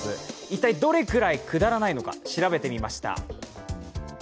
一体どれくらいくだらないのか調べてみました。